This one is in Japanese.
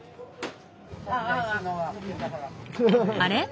あれ？